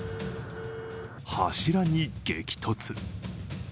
柱に激突。